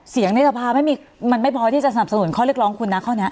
เสียงนิษฐภาไม่มีมันไม่พอที่จะสนับสนุนข้อเรียกร้องคุณนะข้อนี้